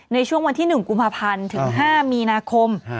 ในช่วงวันที่๑กุมภาพันธ์ถึง๕มีนาคม